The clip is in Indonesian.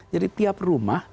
jadi tiap rumah